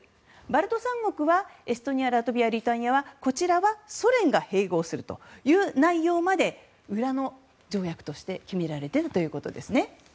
バルト三国のエストニアラトビア、リトアニアはソ連が併合するという内容まで裏の条約として決められていたということです。